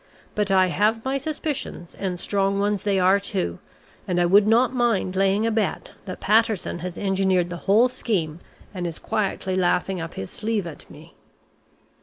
But I have my suspicions, and strong ones they are too, and I would not mind laying a bet that Patterson has engineered the whole scheme and is quietly laughing up his sleeve at me."